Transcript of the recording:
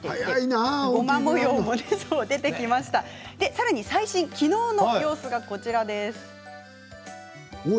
さらに最新のきのうの様子がこちらです。